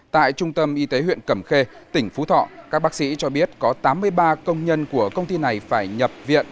tại trung tâm y tế huyện cẩm khê tỉnh phú thọ các bác sĩ cho biết có tám mươi ba công nhân của công ty này phải nhập viện